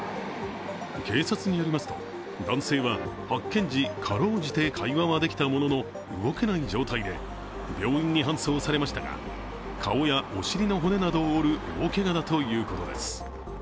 警察によりますと、男性は発見時、かろうじて会話はできたものの動けない状態で、病院に搬送されましたが顔やお尻の骨などを折る大けがだということです。